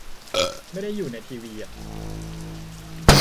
ไม่ได้อยู่ในทีวีอ่ะ